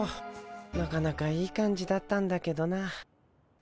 なかなかいい感じだったんだけどな。